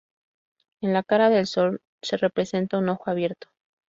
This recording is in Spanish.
En la cara del sol, se representa un ojo abierto.